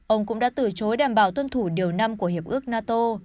ông cũng đã từ chối đảm bảo tuân thủ điều năm của hiệp ước nato